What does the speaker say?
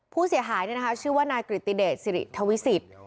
ผู้เสียหายเนี่ยนะคะชื่อว่านายกริติเดชสิริทวิสิต